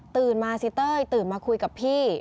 มาสิเต้ยตื่นมาคุยกับพี่